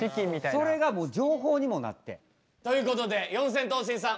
それがもう情報にもなって。ということで四千頭身さん